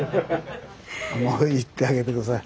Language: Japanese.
まあ行ってあげて下さい。